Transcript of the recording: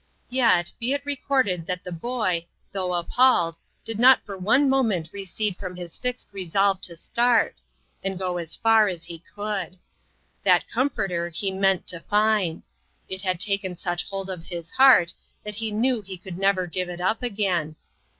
Yet, be it recorded that the boy, though appalled, did not for one moment recede from his fixed resolved to start, and go as far as he could. That Comforter he meant to find. It had taken such hold of his heart that he knew he could never give it up again.